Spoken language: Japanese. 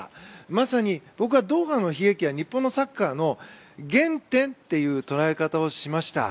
まさに僕はドーハの悲劇は日本サッカーの原点という捉え方をしました。